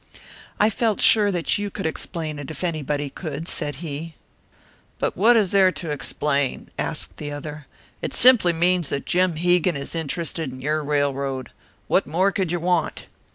"I felt sure that you could explain it, if anybody could," said he. "But what is there to explain?" asked the other. "It simply means that Jim Hegan is interested in your railroad. What more could you want?"